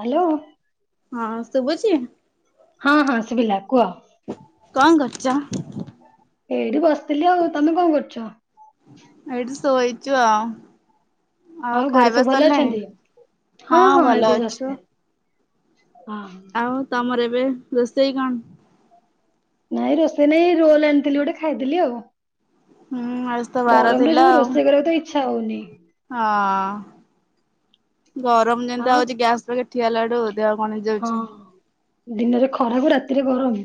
Hello. ହଁ ଶୁଭୁଚି? ହଁ ହଁ ଶୁଭିଲା କୁଅ। କଣ କରୁଚ? ଏଇଠି ବସିଥିଲି ଆଉ ତମେ କଣ କରୁଚ? ଏଇଠି ଶୋଇଚୁ ଆଉ। ଆଉ ଘରେ ଖାଇବା ସବୁ ଭଲ ସରିଲାଣି? ଅଛନ୍ତି ହଁ ହଁ ଭଲ ଏବେ ଜଷ୍ଟ ଅଛୁ ଖା ହଁ ହଁ। ଆଉ ତମର ଏବେ ରୋଷେଇ କଣ? ନାଇଁ ରୋଷେଇ ନାଇଁ ରୋଲ ଆଣିଥିଲି ଗୋଟେ ଖାଇଦେଲି ଆଉ। ହୁଁ ଆଜି ତ ବାର ଗରମରେ ଥିଲା ଯୋଉ ଆଉ ରୋଷେଇ କରିଆକୁ ତ ଇଚ୍ଛା ହଉନି। ହଁ ଗରମ ଯେମତିଆ ଆଉ ହଉଛି ଗ୍ୟାସ ଲଗେଇକି ଠିଆ ହେଲାଠୁ ଦେହ କଣ ହଁ ହେଇଯାଉଚି। ଦିନରେ ଖରାକୁୁ ରାତିରେ ଗରମ।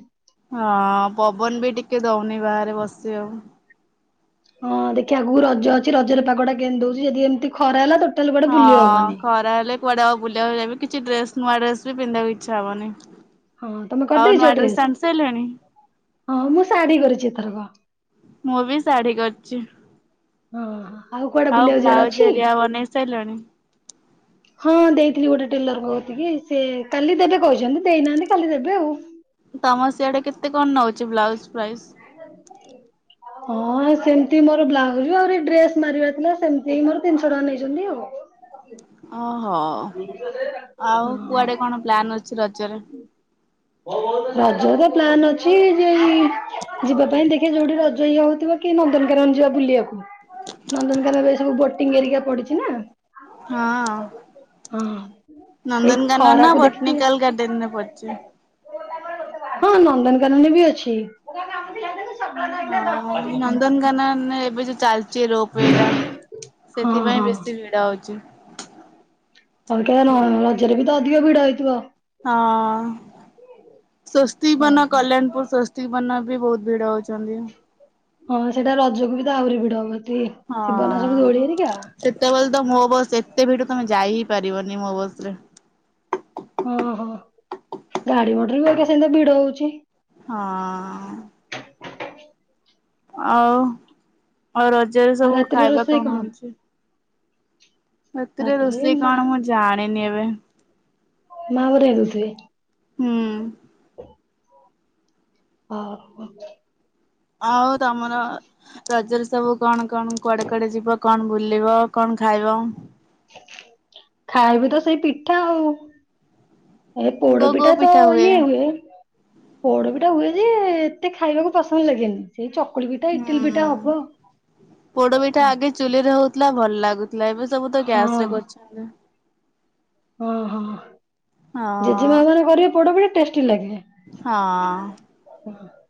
ହଁ ପବନ ବି ଟିକେ ଦୋଉନି ବାହାରେ ବସିବାକୁ। ହଁ ଦେଖିଆ ଆଗକୁ ରଜ ଅଛି ରଜରେ ପାଗଟା କେମତି ଦୋଉଚି ଯଦି ଏମତି ଖରା ହେଲା ତ ହଁ ଖରା ହେଲେ କୁଆଡେ ଆଉ ବୁଲିବାକୁ ଯାଇପା କିଛି ଡ୍ରେସ ନୂଆ ଡ୍ରେସ ବି ପିନ୍ଧିବାକୁ ଇଚ୍ଛା ହବନି। ହଁ ତମେ ଆଉ କରିଦେଇଛ ନୂଆ ଡ୍ରେସ୍ ଡ୍ରେସ ଆଣିସାଇଲେଣି। ହଁ ମୁଁ ଶାଢୀ କରିଚି ଏଥରକ। ମୁଁ ବି ଶାଢୀ କରଚି। ଓହୋ ଆଉ କୁଆଡେ ବୁଲିବାକୁ ଯିବାର ବ୍ଲାଉଜ ଅଛି। ଏରିଆ ବନେଇ ସାରିଲଣି? ହଁ ଦେଇଥିଲି ଗୋଟେ ଟେଲରଙ୍କ କତିକି ସିଏ କାଲି ଦେବେ କହିଚନ୍ତି ଦେଇନାହାନ୍ତି କାଲି ଦେବେ ଆଉ। ତମର ସିଆଡେ କେତେ କଣ ନୋଉଚି ବ୍ଲାଉଜ ପ୍ରାଇଜ୍? ହଁ ସେମତି ମୋର ବ୍ଲାଉଜ ଆହୁରି ଡ୍ରେସ ମାରିବାର ଥିଲା ସେମତି ହି ମୋର ତିନିଶ ଟଙ୍କା ନେଇଚନ୍ତି ଆଉ। ଓହୋ ଆଉ କୁଆଡେ ହଁ କଣ ପ୍ଲାନ ଅଛି ରଜରେ? ହଁ ରଜରେ ପ୍ଲାନ ଅଛି ଯେ ଯିବା ପାଇଁ ଦେଖିଆ ଯୋଉଠି ରଜ ଇଏ ହୋଉଥିବ କି ନନ୍ଦନକାନନ ଯିବା ବୁଲିବାକୁ ନନ୍ଦନକାନନରେ ଏସବୁ ଭୋଟିଂ ହରିକା ପଡିଚି ନା। ହଁ ଏଇ ନନ୍ଦନକାନନ ନା ଖରାକୁ ଦେଖିକି ବଟନିକାଲ ଗାର୍ଡେନରେ ପଡଚି। ହଁ ନନ୍ଦନକାନନରେ ବି ଅଛି। ହଁ ନନ୍ଦନକାନ ଏବେ ଯ ଚାଲଚି ରୋପୱେ ଇଏଟା ହଁ ସେଥିପାଇଁ ହଁ। ବେଶୀ ଭିଡ ହୋଉଚି। ଅଲଗା ନ ରଜରେ ବି ତ ଅଧିକ ଭିଡ଼ ହେଇଥିବ। ହଁ ସୋସ୍ତି ହଁ ବନ ହଁ। କଲ୍ୟାଣପୁର ସୋସ୍ ବନା ବି ବୋହୁତ ଭିଡ ହୋଉଚନ୍ତି। ହଁ ସେଟା ରଜକୁ ବି ତ ଆହୁରି ଭିଡ ହବ ତି ହଁ। ସେତେବେଳେ ତ ମୋ ବସ ଏତେ ଭିଡ ତମେ ଯାଇ ହି ପାରିବନି ମୋ ବସରେ। ଓହୋ ଗାଡି ମଟର ବି ହରିକା ସେମତିଆ ଭିଡ ହୋଉଚି। ହଁ। ଆଉ ଆଉ ରଜରେ ଆଉ ସବୁ ରାତିରେ ଖାଇବା ରୋଷେଇ କଣ ହୋଉଛି। ରାତିରେ ରୋଷେଇ କଣ ମୁଁ ଜାଣିନି ଏବେ। ମା ବୋଧେ ହେଉଥିବେ। ହୁଁ ହ ହଉ ଆଉ ତମର ରଜରେ ସବୁ କଣ କଣ କୁଆଡେ କୁଆଡେ ଯିବ କଣ ବୁଲିବ କଣ ଖାଇବ? ଖାଇବୁ ତ ସେଇ ପିଠା ଆଉ। ଏ କୋଉ କୋଉ ପୋଡ଼ପିଠା ତ ପିଠା ଇଏ ହୁଏ। ପୋଡ ପିଠା ହୁଏ ଯେ ଏତେ ଖାଇବାକୁ ପସନ୍ଦ ଲାଗେନି ସେଇ ଚ କୁଳି ପିଠା ଇଟିଲି ହୁଁ। ପିଠା ହବ। ପୋଡ ପିଠା ଆଗେ ଚୁଲିରେ ହୋଉଥୁଲା ଭଲ ଲାଗୁଥୁଲା ଏବେ ସବୁ ତ ହଁ ଗ୍ୟାସ ରେ କରୁଚି। ଓହୋ ହଁ ଜେଜେମାଆ ମାନେ କରିବେ ପୋଡ ପଢ ଟେଷ୍ଟି ଲାଗେ। ହଁ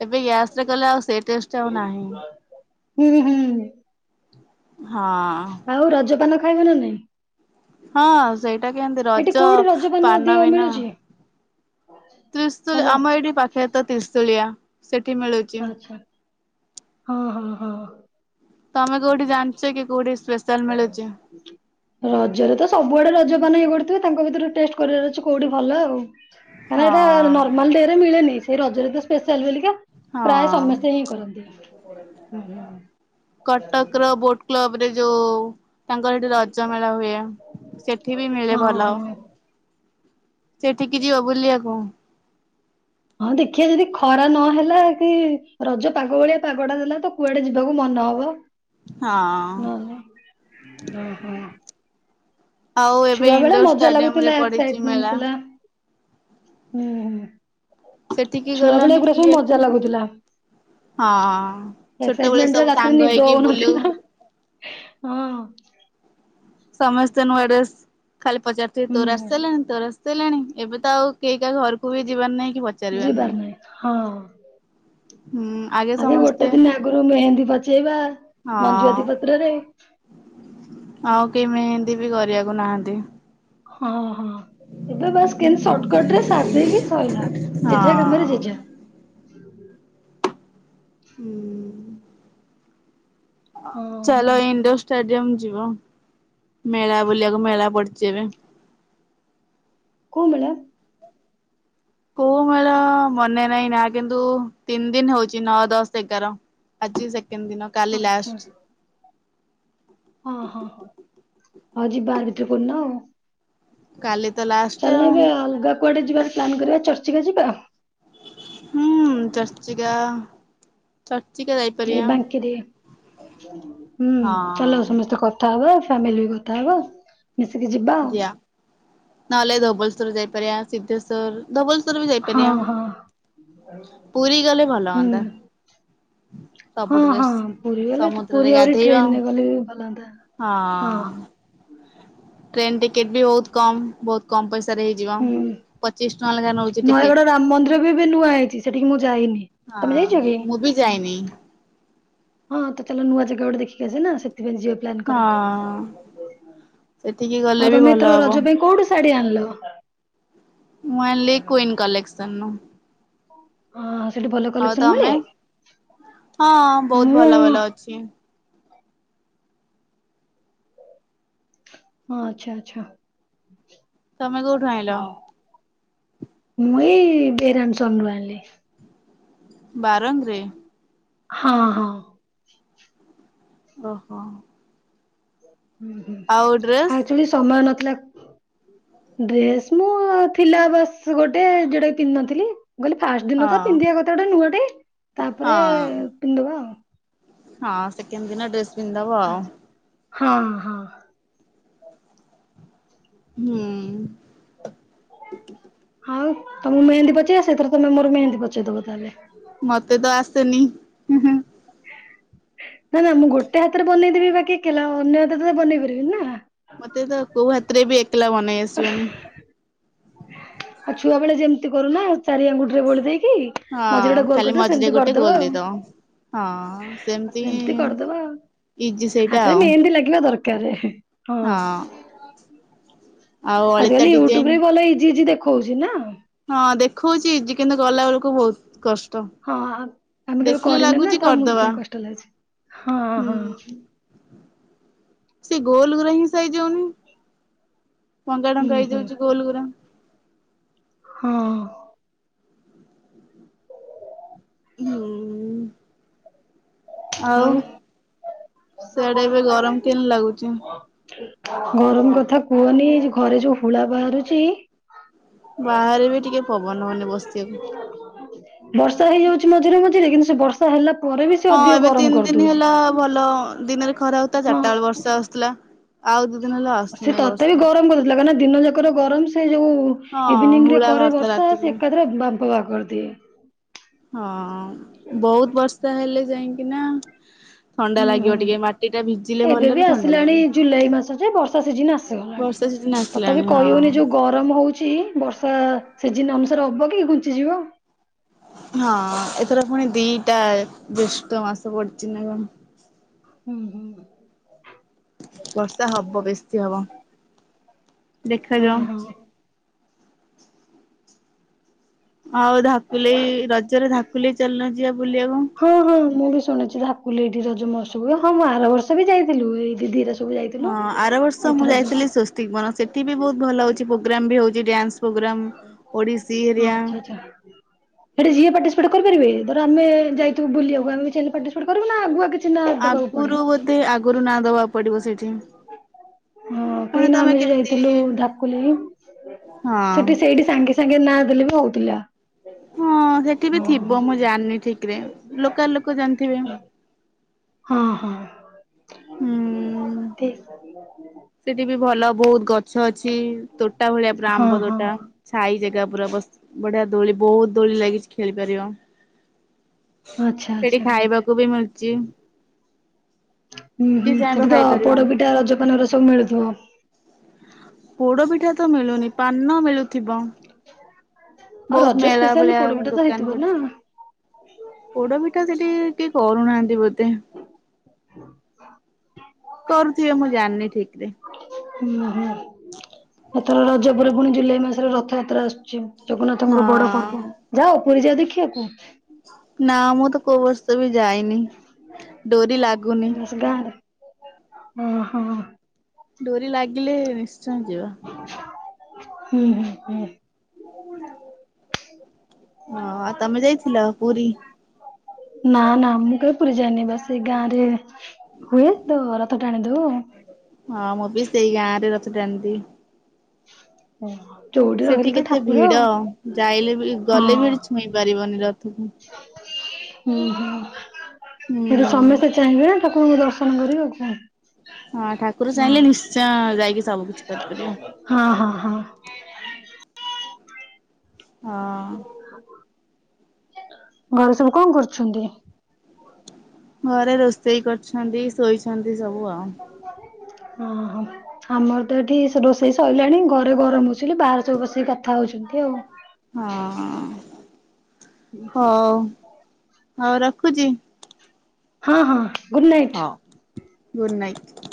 ଏବେ ଗ୍ୟା ରେ କଲେ ଆଉ ସେ ଟେଷ୍ଟ ଆଉ ନାହିଁ। ହୁଁ ହୁଁ। ହଁ। ଆଉ ରଜପାନ ଖାଇବ ନା ନାଇଁ। ହଁ ସେଇଟା କେମ୍ତି ଏଠି ରଜ କୋଉଠି ରଜପାନ ପାନ ଅଧିକ ବିନା ମିଳୁଛି ତ୍ରିଶୁଳି ଭଲ ଆମ ଏଇଠି ପାଖରେ ତ ତ୍ରିଶୁଳିଆ ସେଠି ମିଳୁ ଆଚ୍ଛା ହଁ-ହଁ-ହଁ। ତମେ କୋଉଠି ଜାନ୍ଚ କି କୋଉଠି ସ୍ପେସ୍ [unintelligible] ରଜରେ ତ ସବୁଆଡେ ରଜପାନ ଇଏ କରୁଥିବେ ତାଙ୍କ ଭିତରୁ ଟେଷ୍ଟ କରିବାର ଅଛି କୋଉଠି ଭଲ ଆଉ। ଆରେ ହଁ ଏଟା ନର୍ମାଲ ଡେ ରେ ମିଳେନି ସେଇ ରଜରେ ତ ସ୍ପେଶିଆଲ୍ ବୋଲିକା ପ୍ରାୟ ହଁ। ସମସ୍ତେ ଇଏ କରନ୍ତି। କଟକର ବୋଟ୍ କ୍ଲବ୍ ରେ ଯୋଉ ତାଙ୍କ ସେଠି ରଜମେଳା ହୁଏ ସେଠି ବି ମିଳେ ହଁ ଭଲ। ହଁ ହଁ ସେଠିକି ଯିବ ବୁଲିଆକୁ? ହଁ ଦେଖିଆ ଯଦି ଖରା ନ ହେଲା କି ରଜ ପାଗ ଭଳିଆ ପାଗଟା ଦେଲା ତ କୁଆଡେ ଯିବାକୁ ମନ ହବ ହଁ। ନ ହ ହଁ-ହଁ। ଆଉ ଏବେ ଛୁଆ ବେଳେ ଇଣ୍ଡୋର ମଜା ଷ୍ଟାଡିୟମ ରେ ଲାଗୁଥିଲା ପଡିଛି ଏକ୍ସାଇଟମେଣ୍ଟ୍ ମେଳା ଥିଲା। ସେଠିକି ଛୁଆ ବେଳେ ଗଲନି ଏଗୁଡା ସବୁ ବୁଲିବାକୁ। ମଜା ଲାଗୁଥିଲା। ହଁ ଛୋଟବେଳେ ଏକ୍ସାଇଟମେଣ୍ଟ୍ ସବୁ ରେ ରାତିରେ ସାଙ୍ଗ ନିଦ ହେଇକି ବୁଲୁ ହଉନଥିଲା ହା। ହଁ-ହଁ। ସମସ୍ତେ ନୂଆ ଡେସ୍ ଖାଲି ପଚାରୁଥିବେ ହୁଁ। ତୋର ଆସି ସାଇଲାଣିି ତୋର ଆସ୍ ସିଲାଣି ଏବେ ତ ଆଉ କେଇ କା ଘରକୁ ବି ଯିବାର ନାଇ କି [unintelligible] ଯିବାର୍ ନାଇଁ ହଁ। ହୁଁ। ଆଗେ ଗୋଟେ ଦିନ୍ ଆଗରୁ ମେହେନ୍ଦୀ ପଚେଇବା। ମଞ୍ଜୁଆତି ହଁ ପତ୍ରରେ ଆଉ କେ ମେହେନ୍ଦୀ ବି କରିଆକୁ ନାହାନ୍ତି। ହଁ-ହଁ ଏବେ ବାସ୍ କିନ୍ତି ସର୍ଟକଟ୍ ରେ ସାରି ଦେଇକି ସଇଲା ଯେଝା କାମରେ ହଁ ଯେଝା। ହୁଁ। ହଁ ଚାଲ ଇଣ୍ଡୋ ଷ୍ଟାଡିୟମ୍ ଯିବ ମେଳା ବୁଲିବାକୁ ମେଳା ପଡିଚି ଏବେ। କୋଉ ମେଳା? କୋଉ ମେଳ ମନେ ନାଇଁ ନା କିନ୍ତୁ ତିନ୍ ଦିନ୍ ହଉଚି ନଅ, ଦଶ, ଏଗାର। ଆଜି ସେକେଣ୍ଡ୍ ଦିନ କାଲି ଆଚ୍ଛା ଲାଷ୍ଟ। ହଁ-ହଁ-ହଁ ହଉ ଯିବା ଆରି ଭିତରେ କୋଉ ଦିନ ଆଉ। କାଲି ତ ଲା ଚାଲନୁ ବେ ଏ ଅଲଗା କୁଆଡେ ଯିବାର ପ୍ଲାନ୍ କରିବା ଚର୍ଚ୍ଚିକା ଯିବା। ହୁଁ ଚର୍ଚ୍ଚିକା। ଚର୍ଚ୍ଚିକା [unintelligible] ଏଇ ବାଙ୍କିରେ ହୁଁ ଚାଲ ହଁ ସମସ୍ତେ କଥ ଥା ହେବେ ଫ୍ୟାମିଲି ବି କଥା ହେବା। ମିଶିକି ଯିବା। [unintelligible] ନହେଲେ ଧବଳେଶ୍ଵର ଯାଇପାରିଆ ସିଧେଶ୍ ଶ୍ଵର୍ ଧବଳେଶ୍ଵର ବି ଯାଇପାରିଆ ଆଉ ହଁ ହଁ ପୁରୀ ଗଲେ ଭଲ ହନ୍ତା। ହଁ-ହଁ-ହଁ ପୁରୀ ଗଲେ ସମୁଦ୍ରରେ ପୁରୀ ଆହୁରି ଗାଧେଇବା ଟ୍ରେନ୍ ରେ ଗଲେ ବି ଭଲ ହନ୍ତା। ହଁ। ଟ୍ରେନ୍ ଟିକେଟ ବି ବହୁତ୍ କମ୍ ବହୁତ୍ କମ୍ ପଇସାରେ ହେଇଯିବ। ହୁଁ ପଚିଶ୍ ଟଆଁ ଲେଖା ନଉଚି। ନୟାଗଡ଼ ରାମ୍ ମନ୍ଦିର ବି ଏବେ ନୂଆ ହେଇଚି ସେଠିକି ମୁଁ ଯାଇନି। ହଁ ତମେ ଯାଇଛ କି? ମୁଁ ବି ଯାଇନି। ହଁ ତ ଚାଲ ନୂଆ ଜାଗା ଗୋଟେ ଦେଖିକି ଆସିବା ନା ସେଥିପାଇ ଯିଅ ପ୍ଲାନ୍ କର। ହଁ ସେଠିକି ଗଲେ ଆଉ ବି ତମେ ଭଲ ଏଥର ହବ। ରଜ ପାଇଁ କୋଉଠୁ ଶାଢୀ ଆଣିଲ? ମୁଁ ଆଇଲି କୁଇନ କଲେକ୍ସନ ନୁ। ହଁ ସେଠି ଭଲ ହଁ କଲେକ୍ସନ ମିଳେ ବହୁତ ମୁଁ ଭଲ ଭଲ ଅଛି। ହଁ ଆଚ୍ଛା ଆଛା। ତମେ କୋଉଠୁ ଆଇଁଲ? ମୁଁ ଏଇ [unintelligible] ରୁ ଆଣିଲି। ବାରଙ୍ଗରେ। ହଁ ହଁ ଓହୋ।। ହୁଁ ହୁଁ ଆଉ ଡ୍ରେସ୍ ଆକ୍ଚୁଲି ସମୟ ନଥିଲା। ଡ୍ରେସ ମୁଁ ଥିଲା ବାସ୍ ଗୋଟେ ଯୋଉଟାକି ପିନ୍ଧିନଥିଲି। କହିଲି ଫାଷ୍ଟ ଦିନ ତ ହଁ ପିନ୍ଧିବା କଥା ଗୋଟେ ନୂଆ ଟେ ତାପରେ ହଁ ପିିନ୍ଧିଦବ୍ବା ଆଉ। ହଁ ସେକେଣ୍ଡ ଦିନ ଡ୍ରେସ ପିନ୍ଧିଦବ ଆଉ। ଆଚ୍ଛା ହଁ ହଁ ହୁଁ ଆଉ ତମକୁ ମେହେନ୍ଦୀ ପଚେଇ ଆସେ। ଏଥର ତମେ ମୋର ମେହେନ୍ଦୀ ପଚେଇଦବ ତାହେଲେ। ମୋତେ ତ ଆସେନି ହିଁ ହିଁ। ନା ନା ମୁଁ ଗୋଟେ ହାତରେ ବନେଇଦେବି ବାକି କିଲା ଅନ୍ୟ ହାତରେ ତ ବନେଇ ପାରିବିନି ନା। ମୋତେ ତ କୋଉ ହାତରେ ବି ଏକଲା ବନେଇ ଆସିବନି। ଆଉ ଛୁଆ ବେଳେ ଯେମିତି କରୁନା ଚାରି ଆଙ୍ଗୁଠି ରେ ବୋଳି ଦେଇକି। ମଝିରେ ଗୋଟେ ହଁ ଗୋଲ ଖାଲି କରିଦବ ମଝିରେ ସେମିତି ଗୋଟେ ଗୋଲ କରିଦବ ଆଉ। ଦେଇଦବ। ଆ ସେମିତି କରିଦବା ଆଉ। ଇଜି ସେଇଟା ହାତେରେ ଆଉ। ମେହେନ୍ଦୀ ଲାଗିବା ଦରକାର ହଁ। ହଁ ଆଉ ଅଳିତା ଆଜିକାଲି ୟୁଟୁବ ଡିଜାଇନ ରେ ବି ଭଲ ଇଜି ଇଜି ଦେଖୋଉଛି ନା। ହଁ ଦେଖୋଉଛି ଇଜି କିନ୍ତୁ କଲା ବେଳକୁ ବହୁତ କଷ୍ଟ। ହଁ ଆ ଆମେ କେବେ ଦେଖିଲେ କରିନୁ ନା ଲାଗୁଛି ତ ଆମକୁ କରିଦବା ସେଥିପାଇଁ କଷ୍ଟ ଲାଗୁଛି। ହଁ ହୁଁ। ହଁ ସେ ଗୋଲ ଗୁରା ହିଁ ସାଇଯାଉନି ପନ୍ଦର ହୁଁ ଟଙ୍କା ହୁଁ ହେଇଯାଉଛି ଗୋଲଗୁରା। ହଁ ହୁଁ ଆଉ ସିଆଡେ ଏବେ ଗରମ କେମିତି ଲାଗୁଛି? ଗରମ କଥା କୁହନି ଘରେ ଯୋଉ ହୁଳା ବାହାରୁଚି। [inaudible] ବର୍ଷା ବାହାରେ ବି ଟିକେ ପବନ ହଉନି ବସିବାକୁ। ହେଇଯାଉଚି ମଝିରେ ମଝିରେ କିନ୍ତୁ ସେ ବର୍ଷା ହେଲା ପରେ ବି ସେ ହଁ ଅଧିକ ଏବେ ଗରମ ତିନି ଦିନ କରିଦଉଛି ହେଲା ଭଲ ଦିନରେ ଖରା ହଉଥିଲା ହଁ ଚାରିଟା ବେଳେ ବର୍ଷା ଆସୁଥିଲା। ଆଉ ଦିଇ ଦିନ ହେଲ ଆସୁନି ଏ ବର୍ଷା। ଲାଗ ନା ଦିନ ଯାକର ଗରମ ସେ ଯୋଉ ହଁ ଇଭିନିଂ ରେ ହୁଳା କରେ ବାହାରିଥିଲା ବର୍ଷା ରାତିକୁ। ସେ ଏକାଥରେ ବାମ୍ପ ବାହାର କରିଦିଏ। ହଁ ବହୁତ ବର୍ଷା ହେଲେ ଯାଇକି ନା ହୁଁ ଭିଜିଲେ ହୁଁ ଏବେ ଭଲରେ ବି ଥଣ୍ଡା ଆସିଲାଣି ଲାଗେ। ଜୁଲାଇ ମାସ ଯେ ବର୍ଷା ସିଜିନ ଆସିଗଲାଣି। ବର୍ଷା ସିଜିନ୍ ଆସିଲାଣି ତଥାପି ହଁ। କହିହଉନି ଯୋଉ ଗର ରମ ହଉଛି ବର୍ଷା ସିଜିିନ ଅନୁସାରେ ହବ କି ଘୁଞ୍ଚିଯିବ। ହଁ ଏଥର ପୁଣି ଦିଟା ଜେଷ୍ଠ ମାସ ପଡିଛି ନା କଣ? ହୁଁ ହୁଁ ବର୍ଷା ହବ ବେଶି ହବ ହଁ ଦେଖାଯାଉ। ହଁ। ଆଉ ଧାକୁଲେଇ ରଜରେ ଧାକୁଲେେଇ ଚାଲୁନ ଯିବା ବୁଲିବାକୁ। ହଁ ହଁ ମୁଁ ବି ଶୁଣିଛି ଧାକୁଲେଇ ଏଇଠି ରଜମହୋତ୍ସବ ହୁଏ ମୁଁ ଆର ବର୍ଷ ବି ଯାଇଥିଲୁ ଏଇଠି ଦିଟା ହଁ ଆର ବର୍ଷ ମୁଁ ଯାଇଥିଲି ସୁ ଠିକ ମନ ସେଠି ବି ବହୁତ ଭଲ ହଉଛି ପ୍ରୋଗ୍ରାମ ବି ହଉଛି ଡ୍ୟାନ୍ସ ପ୍ରୋଗ୍ରାମ ଓଡିଶୀ ହଁ ହେରିଆ ଆଚ୍ଛା ଆଚ୍ଛା। ସେଠି ଯିଏ ପାର୍ଟିସିପେଟ କରିପାରିବେ ଧର ଆମେ ଯାଇଥିବୁ ବୁଲିବାକୁ ଆମେ ବିଚାହିଁଲେ ପାର୍ଟିସିପେଟ କରିବୁ ନା ଆଗୁଆ କିଛି ଚିହ୍ନ ଦେବାକୁ ପଡେ? ଆଗରୁ ବୋଧେ ଆଗରୁ ନାଁ ଦବାକୁ ପଡିବ ସେଇଠି। ହଁ ପୁଣି କାଇହିଁକିନା ତମେ ଆମେ ଯ କେମିତି ଯାଇଥିଲୁ ଢାକୁଲି। ହଁ ସେଠି ସେଇଠି ସାଙ୍ଗେ ସାଙ୍ଗେ ନାଁ ଦେଲେ ବି ହଉଥିଲା। ହଁ ସେଠି ବି ହଁ ଥିବ ମୁଁ ହଁ ଜାଣିନି ଠିକ ରେ ଲୋକାଲ ଲୋକ ଜାଣିଥିବେ। ହଁ ହଁ ହୁଁ। ଠିକ୍ ସେଠି ବି ଭଲ ବହୁତ ଗଛ ଅଛି ତୋଟା ଭଳିଆ ପୁର ହଁ ଆମ୍ବ ହଁ। ତୋଟା। ସାଇ ଜାଗା ପୁରା ବସ ବଢିଆ ଦୋଳି ବହୁତ ଦୋଳି ଲାଗିଛି ଖେଳି ପାରିବ। ଆଚ୍ଛା ସେଠି ଆଚ୍ଛା ଖାଇବାକୁ ବି ମିଳୁଛି। ହୁଁ ଯିଏ ହୁଁ ଚାହିଁବ ସେଠି ତ ଖାଇପାରିବ। ପୋଡପିଠା ରଜପାନ ତ ସବୁ ମିଳୁଥିବ ପୋଡ ପିଠା ତ ମିଳୁନି ପାନ ମିଳୁଥିବ। ଆଉ ରଜ ବହୁତ ମେଳା ସ୍ପେଶାଲ ଭଳିଆ ପୋଡପିଠା ତ ହେଇଥିବ ଦୋକାନ ନା ପଡୁଛି। ପୋଡ ପିଠା ସେଠି କିଏ କରୁନାହାନ୍ତି ବୋଧେ। କରୁଥିବେ ମୁଁ ଜାଣିନି ଠିକ ରେ। ହୁଁଁ ହୁଁ ଏଥର ରଜ ପରେ ପୁଣି ଜୁଲାଇ ମାସରେ ରଥଯାତ୍ରା ଆସୁଛି ଜଗନ୍ନାଥଙ୍କର ବଡ ପର୍ବ। ହଁ ଯାଓ ପୁରୀ ଯାଆ ଦେଖିବାକୁ। ନା ମୁଁ ତ କୋଉ ବର୍ଷ ବି ଯାଇନି ଡୋରି ଲାଗୁନି। ଗାଁ ରେ ହଁ ହଁ ଡୋରି ଲାଗିଲେ ନିଶ୍ଚୟ ଯିବା। ହୁଁ ହୁଁ ହଁ ଆଉ ତମେ ଯାଇଥିଲ ପୁରୀ। ନା ନା ମୁଁ କେବେ ପୁରୀ ଯାଇନି ବାସ ସେଇ ଗାଁ ରେ। ହୁଏ ତ ରଥ ଟାଣୀ ଦେଉ ଆଉ ହଁ ମୁଁ ବି ସେଇ ଗାଁ ରେ ରଥ ଟାଣି ଦିଏ ହୁଁ ଯୋଉଠି ରହିଲେ ସେଠି ତ କେତେ ଠାକୁର ଭିଡ ଯାଇଲେ ବି ଆଉ ଗଲେ ବି ଛୁଇଁ ହଁ ପାରିବନି ରଥକୁ। ହୁଁ ହୁଁ ହୁଁ ଯଦି ସମସ୍ତେ ଚାହିଁବେ ଠାକୁର କୁ ଦର୍ଶନ ସନ୍ କରିବେ ଆଉ କଣ ହଁ ଠାକୁର ଚାହିଁଲେ ନିଶ୍ଚୟ ଯାଇକି। ସବୁ କିଛି କରିପାରିବ ହଁ ହଁ ହଁ ହଁ ଘର ସବୁ କଣ କରୁଚନ୍ତି? ଘରେ ରୋଷେଇ କରିଛନ୍ତି ଶୋଇଛନ୍ତି ସବୁ ଆଉ। ହଁ ହଁ ଆମର ତ ଏଠି ରୋଷେଇ ସରିଲାଣି ଘରେ ଗରମ ହଉସି ବାହାରେ ସବୁ ବସିକି କଥା ହଉଛନ୍ତି ଆଉ। ହଁ ହଉ ହଉ ରଖୁଚି। ହଁ-ହଁ ହଁ ଗୁଡ଼୍ ନାଇଟ୍।